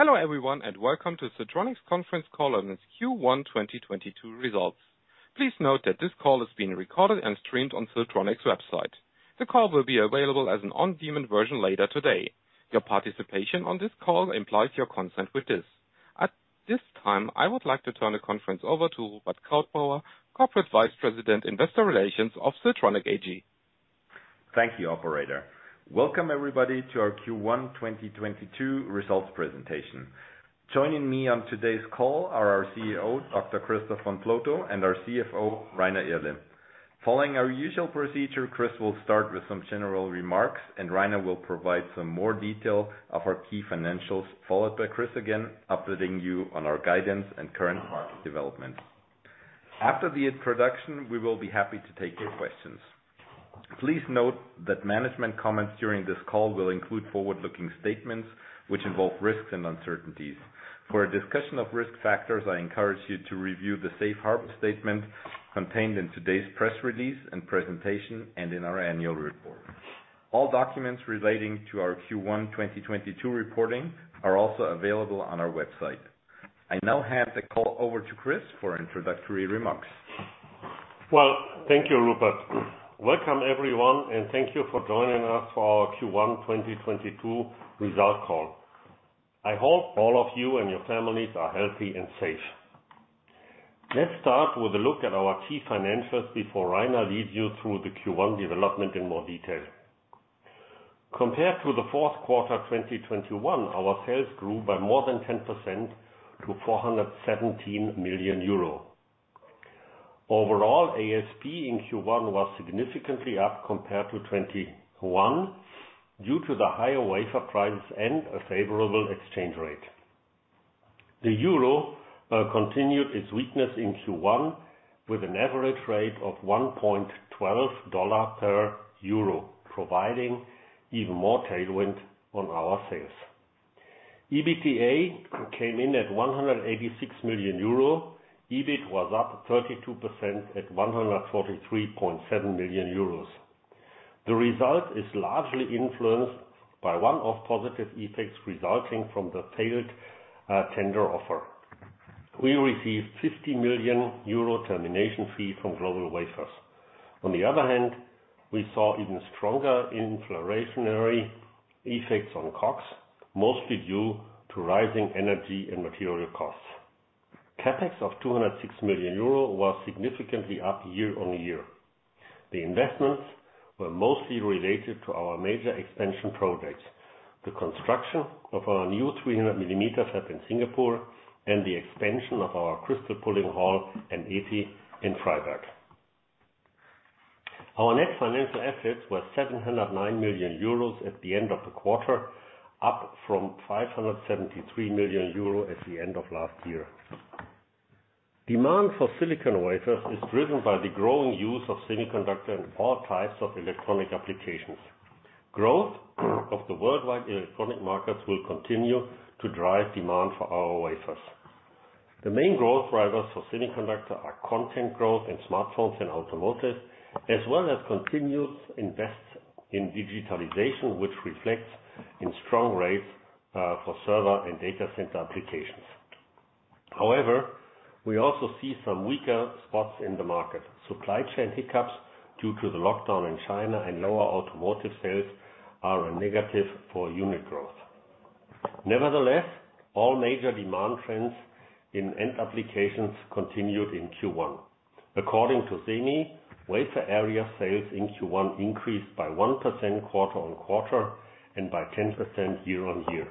Hello everyone, and welcome to Siltronic's Conference Call on its Q1 2022 Results. Please note that this call is being recorded and streamed on Siltronic's website. The call will be available as an on-demand version later today. Your participation on this call implies your consent with this. At this time, I would like to turn the conference over to Rupert Krautbauer, Corporate Vice President, Investor Relations of Siltronic AG. Thank you, operator. Welcome everybody to our Q1 2022 results presentation. Joining me on today's call are our CEO, Dr. Christoph von Plotho, and our CFO, Rainer Irle. Following our usual procedure, Chris will start with some general remarks, and Rainer will provide some more detail of our key financials, followed by Chris again, updating you on our guidance and current market developments. After the introduction, we will be happy to take your questions. Please note that management comments during this call will include forward-looking statements which involve risks and uncertainties. For a discussion of risk factors, I encourage you to review the safe harbor statement contained in today's press release and presentation, and in our annual report. All documents relating to our Q1 2022 reporting are also available on our website. I now hand the call over to Chris for introductory remarks. Well, thank you, Rupert. Welcome everyone, and thank you for joining us for our Q1 2022 results call. I hope all of you and your families are healthy and safe. Let's start with a look at our key financials before Rainer leads you through the Q1 development in more detail. Compared to the fourth quarter, 2021, our sales grew by more than 10% to 417 million euro. Overall, ASP in Q1 was significantly up compared to 2021 due to the higher wafer prices and a favorable exchange rate. The euro continued its weakness in Q1 with an average rate of 1.12 USD/EUR, providing even more tailwind on our sales. EBITDA came in at 186 million euro. EBIT was up 32% at 143.7 million euros. The result is largely influenced by one-off positive effects resulting from the failed tender offer. We received 50 million euro termination fee from GlobalWafers. On the other hand, we saw even stronger inflationary effects on COGS, mostly due to rising energy and material costs. CapEx of 206 million euro was significantly up year-on-year. The investments were mostly related to our major expansion projects, the construction of our new 300mm fab in Singapore, and the expansion of our crystal pulling hall and EPI in Freiberg. Our net financial assets were 709 million euros at the end of the quarter, up from 573 million euros at the end of last year. Demand for silicon wafers is driven by the growing use of semiconductor and all types of electronic applications. Growth of the worldwide electronic markets will continue to drive demand for our wafers. The main growth drivers for semiconductor are content growth in smartphones and automotive, as well as continuous investments in digitalization, which reflects in strong rates for server and data center applications. However, we also see some weaker spots in the market. Supply chain hiccups due to the lockdown in China and lower automotive sales are a negative for unit growth. Nevertheless, all major demand trends in end applications continued in Q1. According to SEMI, wafer area sales in Q1 increased by 1% quarter-on-quarter and by 10% year-on-year.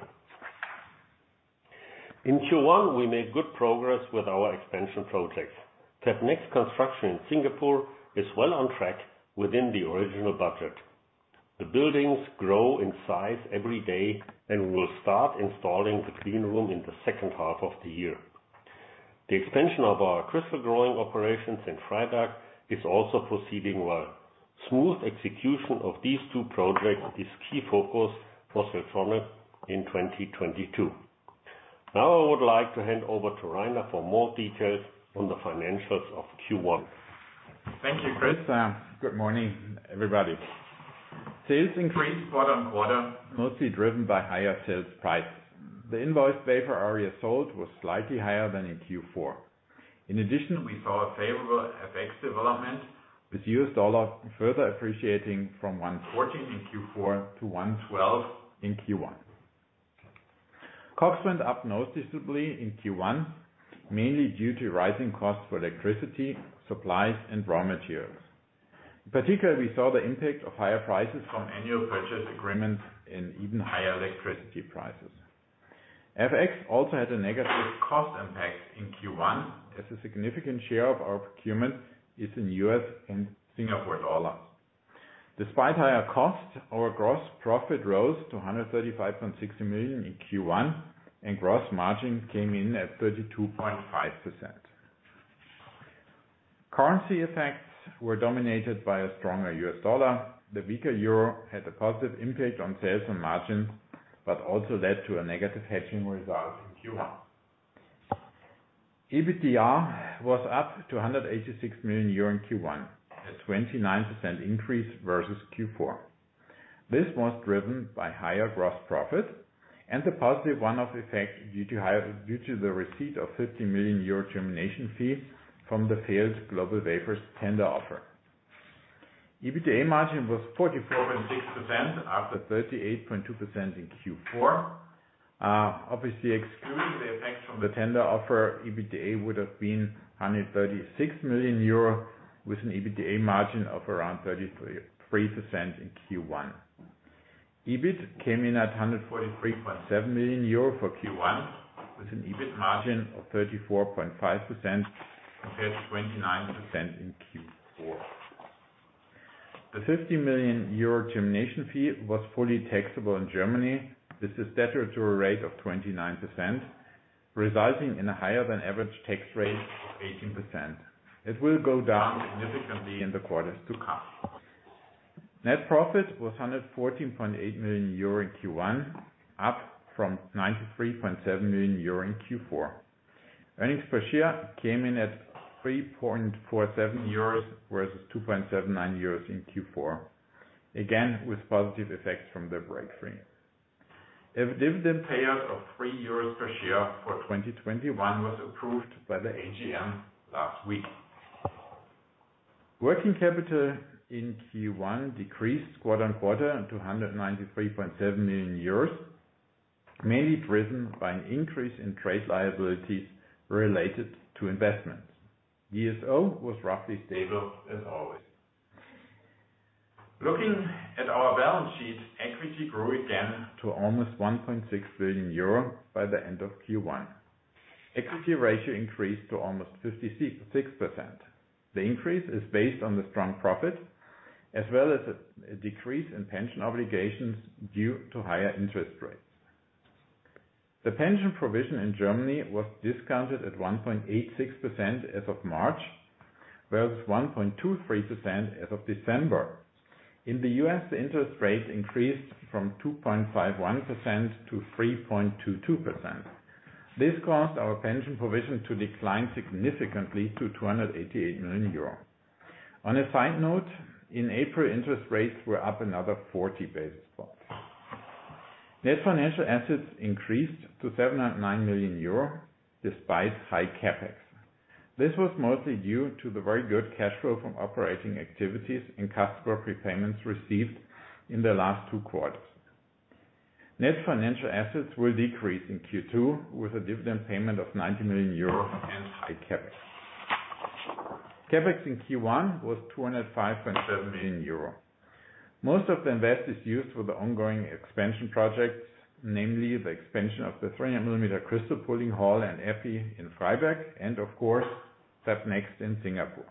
In Q1, we made good progress with our expansion projects. FabNext construction in Singapore is well on track within the original budget. The buildings grow in size every day, and we will start installing the clean room in the second half of the year. The expansion of our crystal growing operations in Freiberg is also proceeding well. Smooth execution of these two projects is key focus for Siltronic in 2022. Now I would like to hand over to Rainer for more details on the financials of Q1. Thank you, Chris. Good morning, everybody. Sales increased quarter-on-quarter, mostly driven by higher sales price. The invoiced wafer area sold was slightly higher than in Q4. In addition, we saw a favorable FX development with US dollar further appreciating from 1.14 in Q4 to 1.12 in Q1. COGS went up noticeably in Q1, mainly due to rising costs for electricity, supplies, and raw materials. In particular, we saw the impact of higher prices from annual purchase agreements and even higher electricity prices. FX also had a negative cost impact in Q1, as a significant share of our procurement is in US and Singapore dollars. Despite higher costs, our gross profit rose to 135.6 million in Q1, and gross margin came in at 32.5%. Currency effects were dominated by a stronger US dollar. The weaker euro had a positive impact on sales and margins, but also led to a negative hedging result in Q1. EBITDA was up to 186 million euro in Q1, a 29% increase versus Q4. This was driven by higher gross profit and the positive one-off effect due to the receipt of 50 million euro termination fees from the failed GlobalWafers tender offer. EBITDA margin was 44.6% after 38.2% in Q4. Obviously excluding the effect from the tender offer, EBITDA would have been 136 million euro with an EBITDA margin of around 33% in Q1. EBIT came in at 143.7 million euro for Q1, with an EBIT margin of 34.5% compared to 29% in Q4. The 50 million euro termination fee was fully taxable in Germany with a statutory rate of 29%, resulting in a higher than average tax rate of 18%. It will go down significantly in the quarters to come. Net profit was 114.8 million euro in Q1, up from 93.7 million euro in Q4. Earnings per share came in at 3.47 euros, versus 2.79 euros in Q4, again, with positive effects from the termination fee. A dividend payout of 3 euros per share for 2021 was approved by the AGM last week. Working capital in Q1 decreased quarter-on-quarter to 193.7 million euros, mainly driven by an increase in trade liabilities related to investments. DSO was roughly stable as always. Looking at our balance sheet, equity grew again to almost 1.6 billion euro by the end of Q1. Equity ratio increased to almost 56%. The increase is based on the strong profit as well as a decrease in pension obligations due to higher interest rates. The pension provision in Germany was discounted at 1.86% as of March, whereas 1.23% as of December. In the U.S., the interest rate increased from 2.51% to 3.22%. This caused our pension provision to decline significantly to 288 million euro. On a side note, in April, interest rates were up another 40 basis points. Net financial assets increased to 709 million euro despite high CapEx. This was mostly due to the very good cash flow from operating activities and customer prepayments received in the last two quarters. Net financial assets will decrease in Q2 with a dividend payment of 90 million euro and high CapEx. CapEx in Q1 was 205.7 million euro. Most of the investment is used for the ongoing expansion projects, namely the expansion of the 300-mm crystal pulling hall and EPI in Freiberg, and of course, FabNext in Singapore.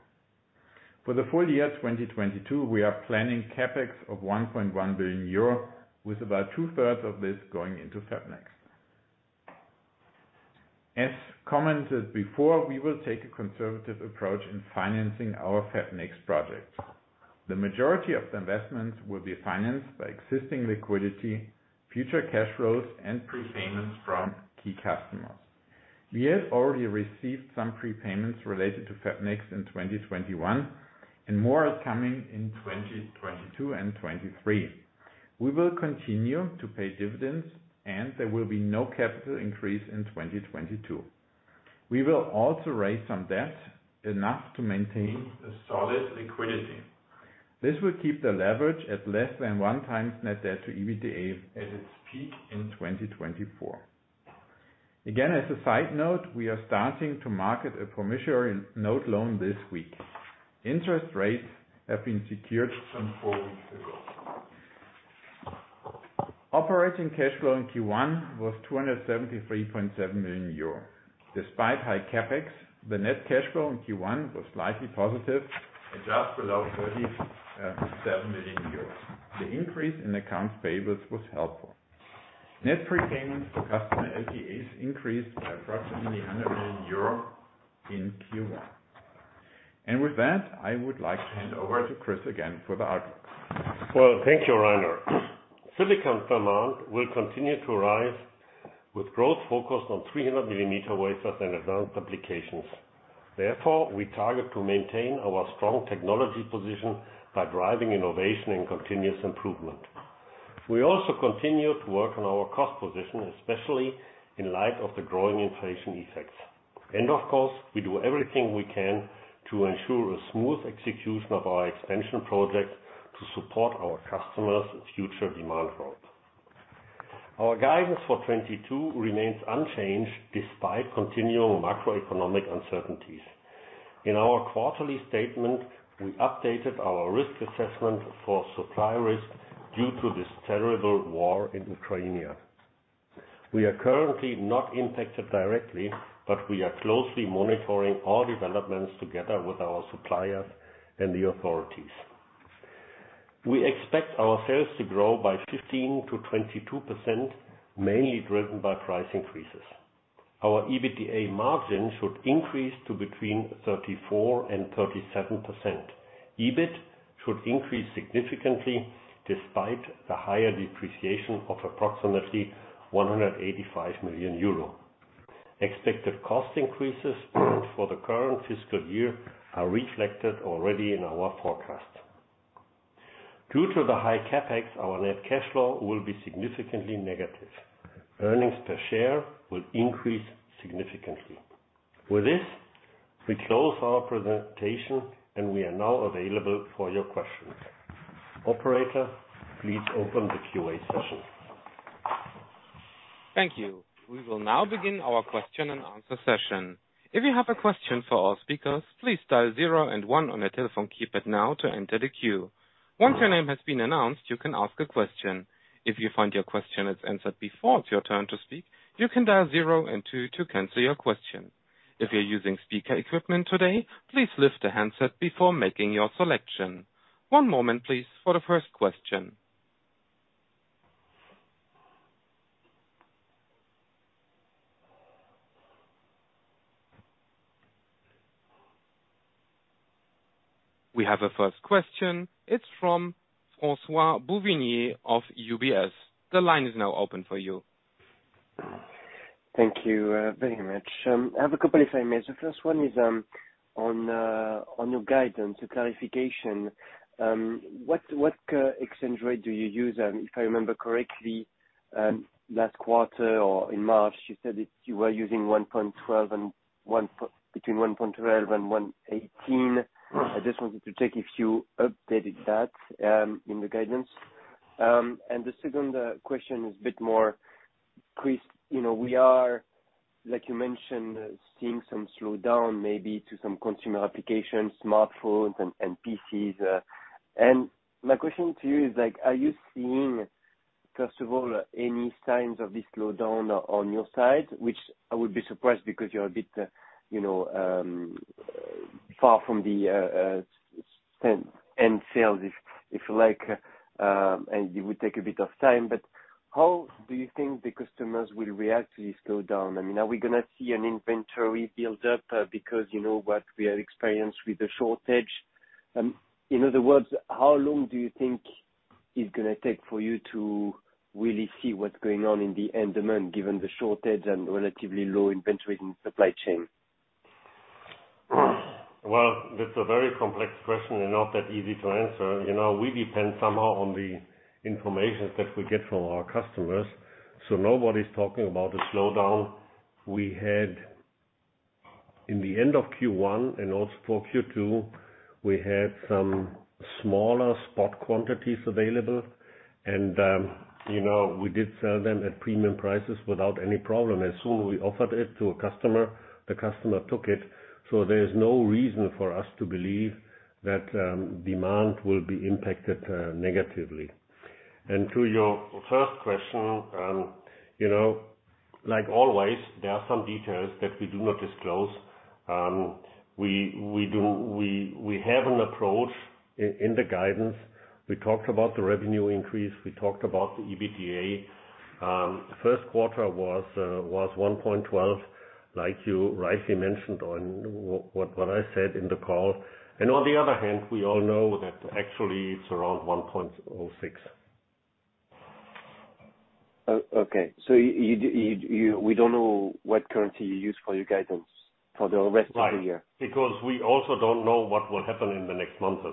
For the full year 2022, we are planning CapEx of 1.1 billion euro, with about two-thirds of this going into FabNext. As commented before, we will take a conservative approach in financing our FabNext project. The majority of the investments will be financed by existing liquidity, future cash flows, and prepayments from key customers. We have already received some prepayments related to FabNext in 2021, and more is coming in 2022 and 2023. We will continue to pay dividends, and there will be no capital increase in 2022. We will also raise some debt, enough to maintain a solid liquidity. This will keep the leverage at less than 1x net debt to EBITDA at its peak in 2024. Again, as a side note, we are starting to market a promissory note loan this week. Interest rates have been secured some four weeks ago. Operating cash flow in Q1 was 273.7 million euro. Despite high CapEx, the net cash flow in Q1 was slightly positive at just below 37 million euros. The increase in accounts payables was helpful. Net prepayments to customer LTAs increased by approximately 100 million euro in Q1. With that, I would like to hand over to Chris again for the outlook. Well, thank you, Rainer. Silicon demand will continue to rise with growth focused on 300-mm wafers and advanced applications. Therefore, we target to maintain our strong technology position by driving innovation and continuous improvement. We also continue to work on our cost position, especially in light of the growing inflation effects. Of course, we do everything we can to ensure a smooth execution of our expansion project to support our customers' future demand growth. Our guidance for 2022 remains unchanged despite continuing macroeconomic uncertainties. In our quarterly statement, we updated our risk assessment for supply risk due to this terrible war in Ukraine here. We are currently not impacted directly, but we are closely monitoring all developments together with our suppliers and the authorities. We expect our sales to grow by 15%-22%, mainly driven by price increases. Our EBITDA margin should increase to between 34% and 37%. EBIT should increase significantly despite the higher depreciation of approximately 185 million euro. Expected cost increases for the current fiscal year are reflected already in our forecast. Due to the high CapEx, our net cash flow will be significantly negative. Earnings per share will increase significantly. With this, we close our presentation and we are now available for your questions. Operator, please open the QA session. Thank you. We will now begin our question and answer session. If you have a question for our speakers, please dial zero and one on your telephone keypad now to enter the queue. Once your name has been announced, you can ask a question. If you find your question is answered before it's your turn to speak, you can dial zero and two to cancel your question. If you're using speaker equipment today, please lift the handset before making your selection. One moment please for the first question. We have a first question. It's from François-Xavier Bouvignies of UBS. The line is now open for you. Thank you very much. I have a couple if I may. First one is on your guidance, a clarification. What exchange rate do you use? If I remember correctly, last quarter or in March, you said it, you were using between 1.12 and 1.18. I just wanted to check if you updated that in the guidance. The second question is a bit more, Chris, you know, we are, like you mentioned, seeing some slowdown maybe to some consumer applications, smartphones and PCs. My question to you is like, are you seeing, first of all, any signs of this slowdown on your side? Which I would be surprised because you're a bit, you know, far from the end sales if you like, and it would take a bit of time. How do you think the customers will react to this slowdown? I mean, are we gonna see an inventory build up because, you know, what we have experienced with the shortage? In other words, how long do you think it's gonna take for you to really see what's going on in the end demand, given the shortage and relatively low inventory and supply chain? Well, that's a very complex question and not that easy to answer. You know, we depend somehow on the information that we get from our customers. Nobody's talking about a slowdown. We had in the end of Q1 and also for Q2, we had some smaller spot quantities available and, you know, we did sell them at premium prices without any problem. As soon as we offered it to a customer, the customer took it. There is no reason for us to believe that demand will be impacted negatively. To your first question, you know, like always, there are some details that we do not disclose. We have an approach in the guidance. We talked about the revenue increase, we talked about the EBITDA. First quarter was 1.12, like you rightly mentioned on what I said in the call. On the other hand, we all know that actually it's around 1.06. Okay. We don't know what currency you use for your guidance for the rest of the year. Right. Because we also don't know what will happen in the next months.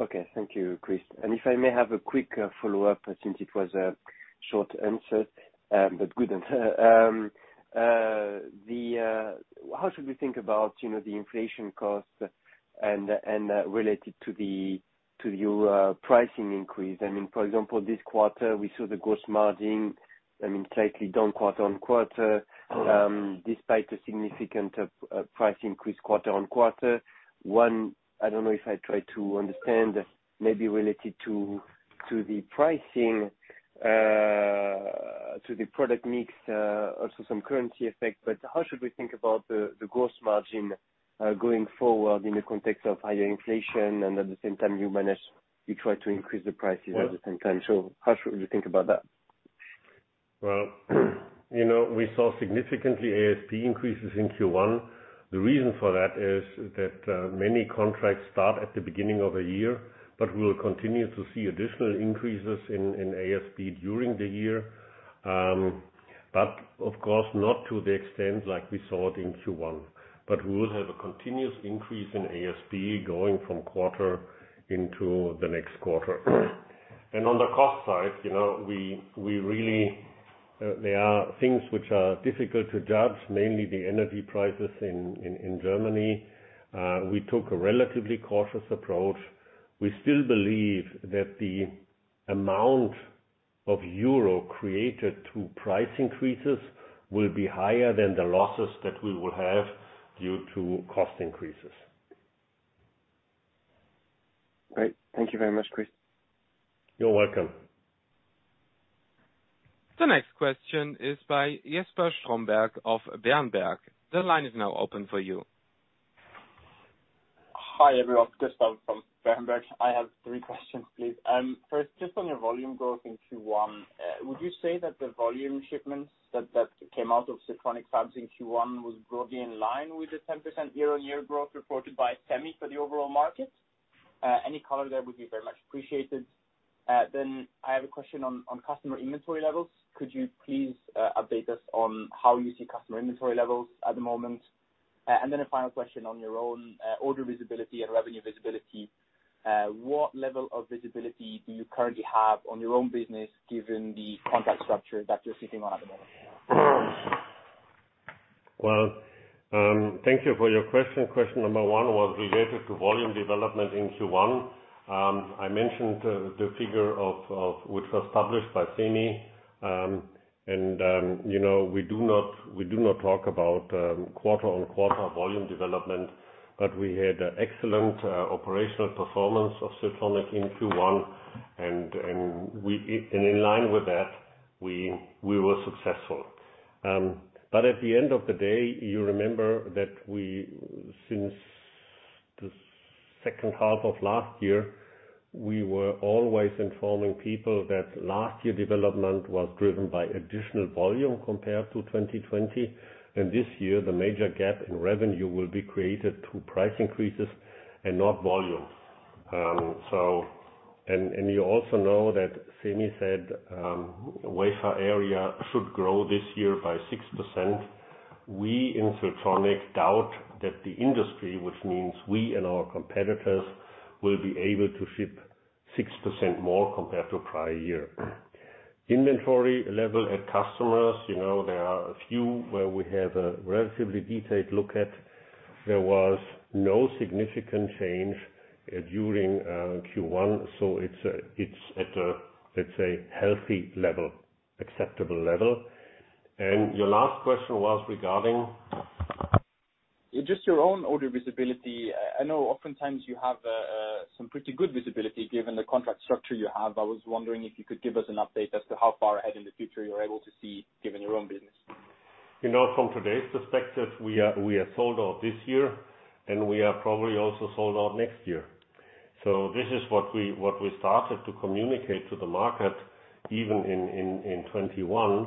Okay. Thank you, Chris. If I may have a quick follow-up, since it was a short answer, but good. How should we think about, you know, the inflation costs and related to your pricing increase? I mean, for example, this quarter we saw the gross margin, I mean, slightly down quarter-over-quarter, despite a significant price increase quarter-over-quarter. I don't know if I try to understand maybe related to the pricing, to the product mix, also some currency effect, but how should we think about the gross margin going forward in the context of higher inflation and at the same time you try to increase the prices at the same time. How should we think about that? Well, you know, we saw significant ASP increases in Q1. The reason for that is that many contracts start at the beginning of a year, but we'll continue to see additional increases in ASP during the year. Of course not to the extent like we saw it in Q1. We will have a continuous increase in ASP going from quarter into the next quarter. On the cost side, you know, we really there are things which are difficult to judge, mainly the energy prices in Germany. We took a relatively cautious approach. We still believe that the amount of euros created through price increases will be higher than the losses that we will have due to cost increases. Great. Thank you very much, Chris. You're welcome. The next question is by Jesper Strömberg of Berenberg. The line is now open for you. Hi, everyone. Jesper from Berenberg. I have three questions please. First, just on your volume growth in Q1, would you say that the volume shipments that came out of Siltronic fabs in Q1 was broadly in line with the 10% year-on-year growth reported by SEMI for the overall market? Any color there would be very much appreciated. I have a question on customer inventory levels. Could you please update us on how you see customer inventory levels at the moment? A final question on your own order visibility and revenue visibility. What level of visibility do you currently have on your own business, given the contract structure that you're sitting on at the moment? Well, thank you for your question. Question number one was related to volume development in Q1. I mentioned the figure which was published by SEMI. You know, we do not talk about quarter-on-quarter volume development, but we had excellent operational performance of Siltronic in Q1, and in line with that, we were successful. But at the end of the day, you remember that. Since the second half of last year, we were always informing people that last year development was driven by additional volume compared to 2020. This year, the major gap in revenue will be created through price increases and not volumes. You also know that SEMI said wafer area should grow this year by 6%. We in Siltronic doubt that the industry, which means we and our competitors, will be able to ship 6% more compared to prior year. Inventory level at customers, you know, there are a few where we have a relatively detailed look at. There was no significant change during Q1, so it's at a, let's say, healthy level, acceptable level. Your last question was regarding? Just your own order visibility. I know oftentimes you have some pretty good visibility given the contract structure you have. I was wondering if you could give us an update as to how far ahead in the future you're able to see given your own business. You know, from today's perspective, we are sold out this year, and we are probably also sold out next year. This is what we started to communicate to the market, even in 2021,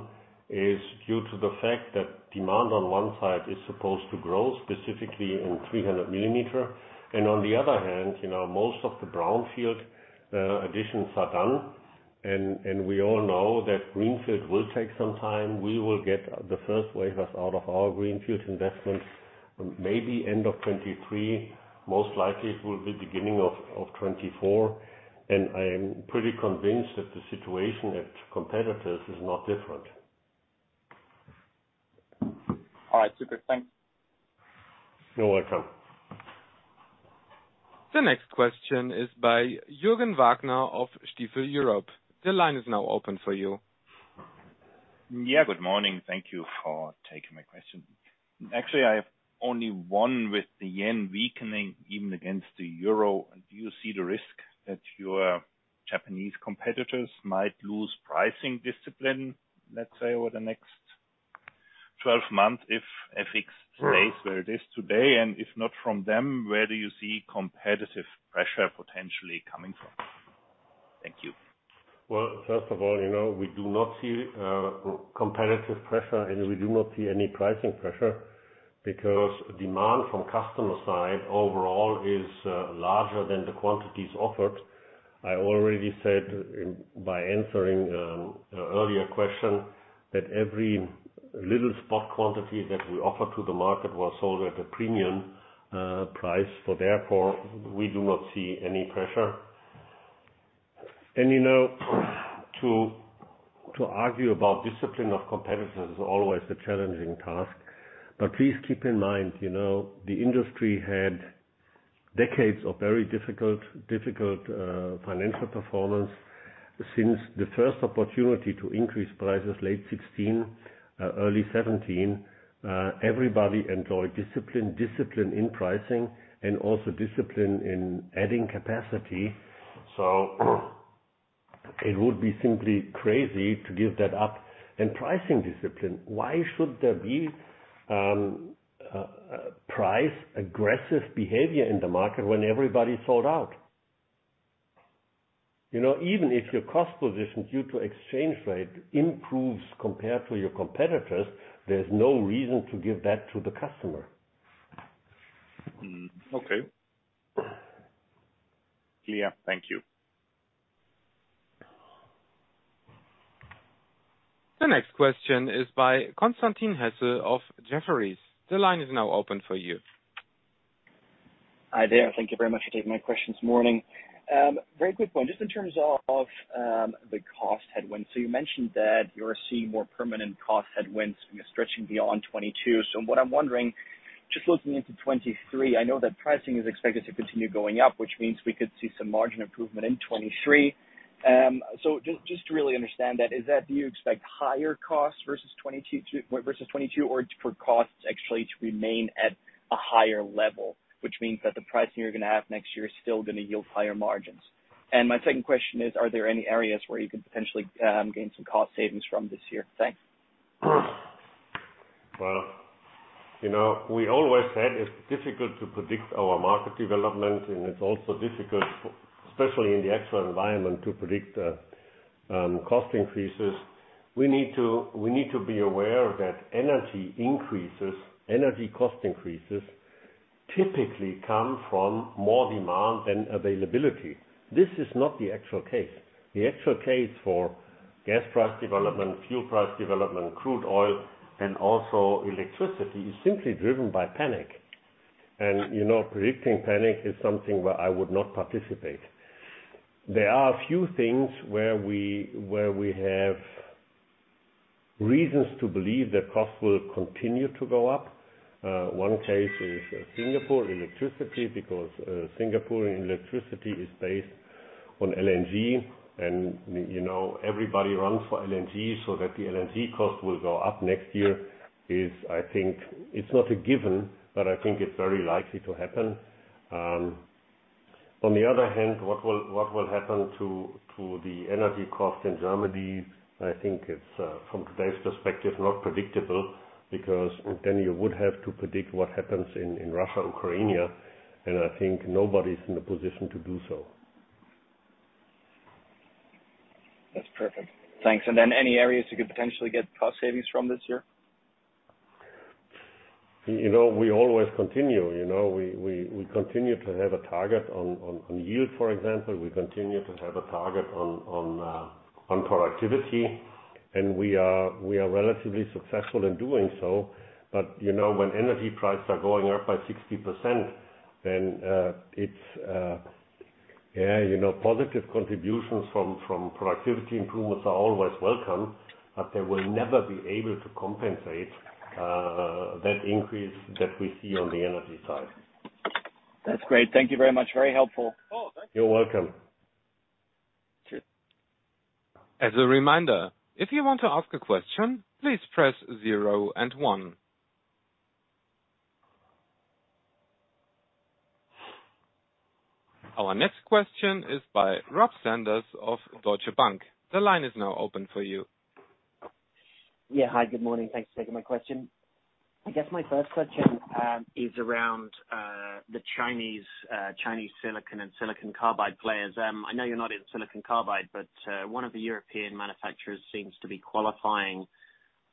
is due to the fact that demand on one side is supposed to grow, specifically in 300-mm. On the other hand, you know, most of the brownfield additions are done, and we all know that greenfield will take some time. We will get the first wafers out of our greenfield investments maybe end of 2023. Most likely it will be beginning of 2024. I am pretty convinced that the situation at competitors is not different. All right. Super. Thanks. You're welcome. The next question is by Jürgen Wagner of Stifel Europe. The line is now open for you. Yeah, good morning. Thank you for taking my question. Actually, I have only one with the yen weakening even against the euro. Do you see the risk that your Japanese competitors might lose pricing discipline, let's say, over the next 12 months if FX stays where it is today? If not from them, where do you see competitive pressure potentially coming from? Thank you. Well, first of all, you know, we do not see competitive pressure, and we do not see any pricing pressure because demand from customer side overall is larger than the quantities offered. I already said by answering an earlier question that every little spot quantity that we offer to the market was sold at a premium price, so therefore we do not see any pressure. You know, to argue about discipline of competitors is always a challenging task. Please keep in mind, you know, the industry had decades of very difficult financial performance. Since the first opportunity to increase prices late 2016, early 2017, everybody enjoyed discipline in pricing and also discipline in adding capacity. It would be simply crazy to give that up. Pricing discipline, why should there be price aggressive behavior in the market when everybody's sold out? You know, even if your cost position due to exchange rate improves compared to your competitors, there's no reason to give that to the customer. Okay. Clear. Thank you. The next question is by Constantin Hesse of Jefferies. The line is now open for you. Hi there. Thank you very much for taking my questions this morning. Very quick one, just in terms of the cost headwinds. You mentioned that you're seeing more permanent cost headwinds, you know, stretching beyond 2022. What I'm wondering, just looking into 2023, I know that pricing is expected to continue going up, which means we could see some margin improvement in 2023. Just to really understand that, is that do you expect higher costs versus 2022, or for costs actually to remain at a higher level, which means that the pricing you're gonna have next year is still gonna yield higher margins? My second question is, are there any areas where you could potentially gain some cost savings from this year? Thanks. Well, you know, we always said it's difficult to predict our market development, and it's also difficult, especially in the actual environment, to predict cost increases. We need to be aware that energy increases, energy cost increases typically come from more demand than availability. This is not the actual case. The actual case for gas price development, fuel price development, crude oil and also electricity is simply driven by panic. You know, predicting panic is something where I would not participate. There are a few things where we have reasons to believe that costs will continue to go up. One case is Singapore electricity, because Singaporean electricity is based on LNG. You know, everybody runs for LNG so that the LNG cost will go up next year, I think it's not a given, but I think it's very likely to happen. On the other hand, what will happen to the energy cost in Germany? I think it's from today's perspective not predictable, because then you would have to predict what happens in Russia and Ukraine. I think nobody's in a position to do so. That's perfect. Thanks. Any areas you could potentially get cost savings from this year? You know, we always continue. You know, we continue to have a target on yield, for example. We continue to have a target on productivity. We are relatively successful in doing so. You know, when energy prices are going up by 60%, then it's yeah, you know, positive contributions from productivity improvements are always welcome, but they will never be able to compensate that increase that we see on the energy side. That's great. Thank you very much. Very helpful. You're welcome. Cheers. As a reminder, if you want to ask a question, please press zero and one. Our next question is by Robert Sanders of Deutsche Bank. The line is now open for you. Yeah. Hi, good morning. Thanks for taking my question. I guess my first question is around the Chinese silicon and silicon carbide players. I know you're not in silicon carbide, but one of the European manufacturers seems to be qualifying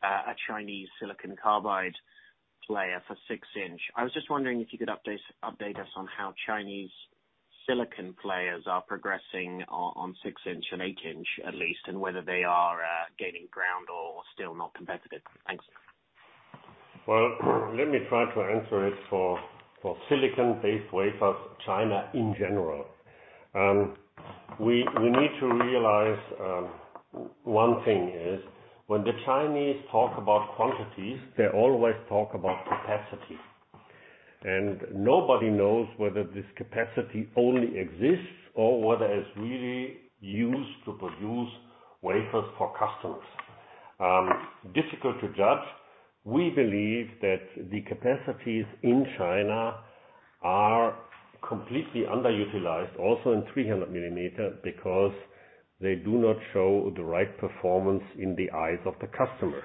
a Chinese silicon carbide player for six-inch. I was just wondering if you could update us on how Chinese silicon players are progressing on 6-inch and 8-inch at least, and whether they are gaining ground or still not competitive. Thanks. Well, let me try to answer it for silicon-based wafers, China in general. We need to realize one thing is when the Chinese talk about quantities, they always talk about capacity. Nobody knows whether this capacity only exists or whether it is really used to produce wafers for customers. Difficult to judge. We believe that the capacities in China are completely underutilized, also in 300-mm, because they do not show the right performance in the eyes of the customer.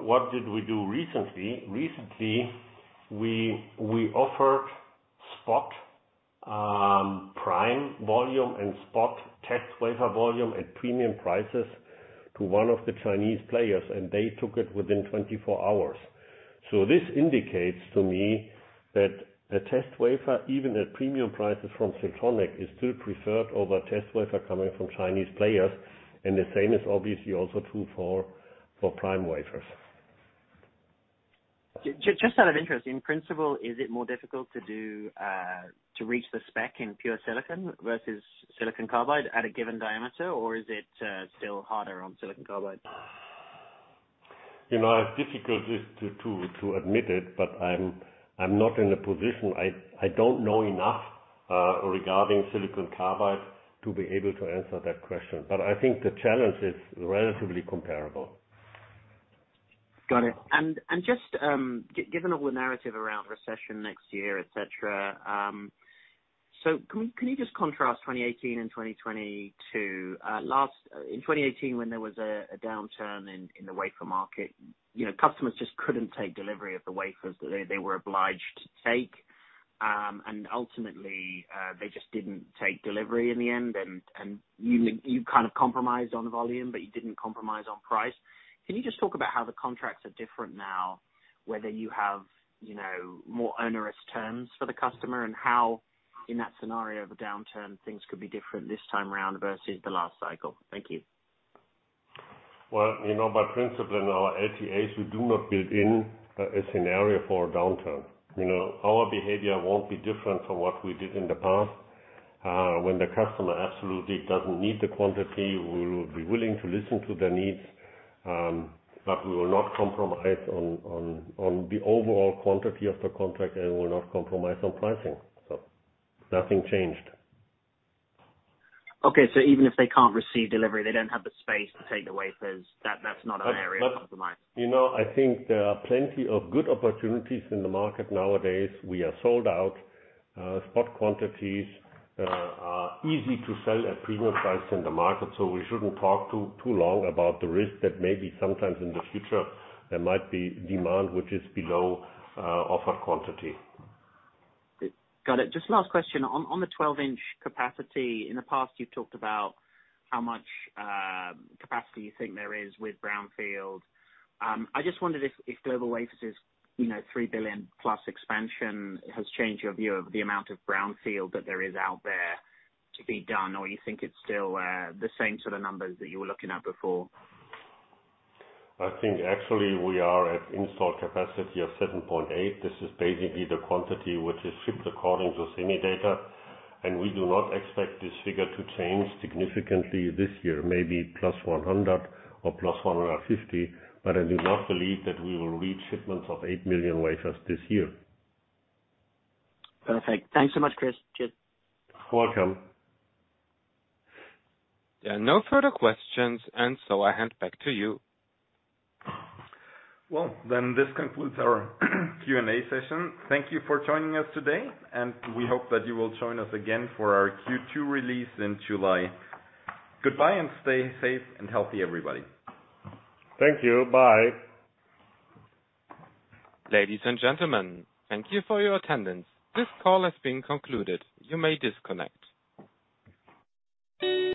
What did we do recently? Recently, we offered spot prime volume and spot test wafer volume at premium prices to one of the Chinese players, and they took it within 24 hours. This indicates to me that the test wafer, even at premium prices from Siltronic, is still preferred over test wafer coming from Chinese players, and the same is obviously also true for prime wafers. Just out of interest, in principle, is it more difficult to do, to reach the spec in pure silicon versus silicon carbide at a given diameter or is it, still harder on silicon carbide? You know, it's difficult just to admit it, but I'm not in a position. I don't know enough regarding silicon carbide to be able to answer that question, but I think the challenge is relatively comparable. Got it. Just given all the narrative around recession next year, et cetera, can you just contrast 2018 and 2022? In 2018 when there was a downturn in the wafer market, you know, customers just couldn't take delivery of the wafers that they were obliged to take. Ultimately, they just didn't take delivery in the end. You kind of compromised on volume, but you didn't compromise on price. Can you just talk about how the contracts are different now, whether you have, you know, more onerous terms for the customer and how in that scenario of a downturn, things could be different this time around versus the last cycle? Thank you. Well, you know, by principle in our LTAs, we do not build in a scenario for a downturn. You know, our behavior won't be different from what we did in the past. When the customer absolutely doesn't need the quantity, we will be willing to listen to their needs, but we will not compromise on the overall quantity of the contract and will not compromise on pricing. Nothing changed. Okay. Even if they can't receive delivery, they don't have the space to take the wafers, that's not an area of compromise. You know, I think there are plenty of good opportunities in the market nowadays. We are sold out. Spot quantities are easy to sell at premium prices in the market, so we shouldn't talk too long about the risk that maybe sometimes in the future there might be demand which is below offered quantity. Got it. Just last question. On the 12-inch capacity, in the past you've talked about how much capacity you think there is with brownfield. I just wondered if GlobalWafers', you know, 3 billion+ expansion has changed your view of the amount of brownfield that there is out there to be done, or you think it's still the same sort of numbers that you were looking at before? I think actually we are at installed capacity of 7.8. This is basically the quantity which is shipped according to SEMI data, and we do not expect this figure to change significantly this year. Maybe plus 100 or plus 150, but I do not believe that we will reach shipments of 8 million wafers this year. Perfect. Thanks so much, Chris. Cheers. You're welcome. There are no further questions, and so I hand back to you. Well, this concludes our Q&A session. Thank you for joining us today, and we hope that you will join us again for our Q2 release in July. Goodbye, and stay safe and healthy, everybody. Thank you. Bye. Ladies and gentlemen, thank you for your attendance. This call has been concluded. You may disconnect.